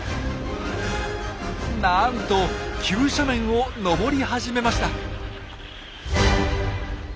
なんと急斜面を登り始めました！